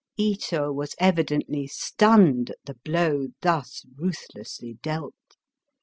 Ito was evidently stunned at the blow thus ruthlessly dealt.